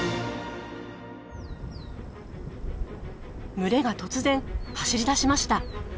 群れが突然走りだしました。